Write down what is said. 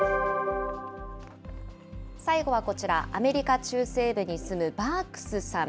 最後はこちら、アメリカ中西部に住むバークスさん。